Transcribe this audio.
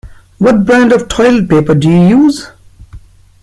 What brand of toilet paper do you use?